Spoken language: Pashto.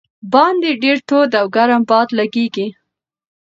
باندې ډېر تود او ګرم باد لګېږي.